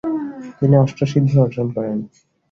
তিনি অষ্টসিদ্ধি অর্জন করেন।